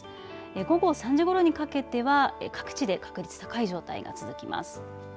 午後３時ごろにかけては各地で確率高い状態が続きます。